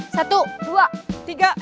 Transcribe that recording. satu dua tiga